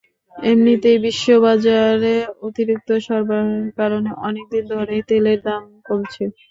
এমনিতেই বিশ্ববাজারে অতিরিক্ত সরবরাহের কারণে অনেক দিন ধরেই তেলের দাম কমছে।